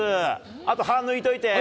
あと、歯、抜いといてー。